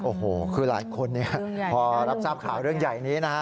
โอ้โหคือหลายคนเนี่ยพอรับทราบข่าวเรื่องใหญ่นี้นะฮะ